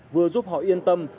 vừa giúp họ yên tâm